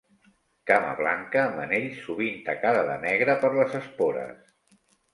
Cama blanca, amb anell, sovint tacada de negre per les espores.